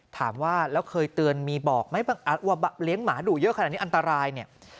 ถามว่าแล้วเคยเตือนมีบอกไหมว่าเลี้ยงหมาดุเยอะขนาดนี้อันตรายเนี่ย